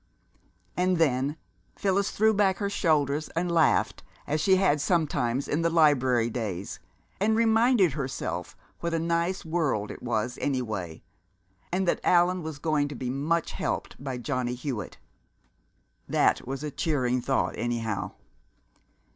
And then Phyllis threw back her shoulders and laughed, as she had sometimes in the library days, and reminded herself what a nice world it was, any way, and that Allan was going to be much helped by Johnny Hewitt. That was a cheering thought, anyhow.